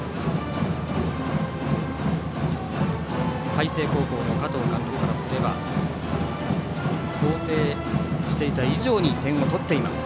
海星高校の加藤監督からすれば想定していた以上に点を取っています。